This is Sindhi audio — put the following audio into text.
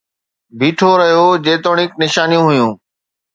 بيٺو رهيو جيتوڻيڪ نشانيون هيون